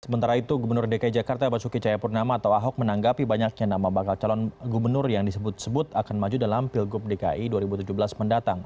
sementara itu gubernur dki jakarta basuki cahayapurnama atau ahok menanggapi banyaknya nama bakal calon gubernur yang disebut sebut akan maju dalam pilgub dki dua ribu tujuh belas mendatang